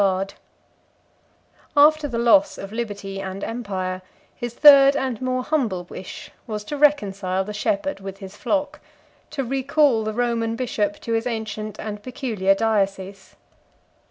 ] After the loss of liberty and empire, his third and more humble wish was to reconcile the shepherd with his flock; to recall the Roman bishop to his ancient and peculiar diocese.